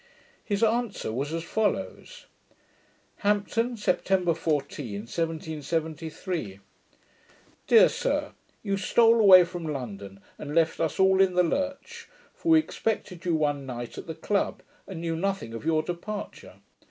His answer was as follows. Hampton, September 14, 1773, Dear Sir, You stole away from London, and left us all in the lurch; for we expected you one night at the club, and knew nothing of your departure.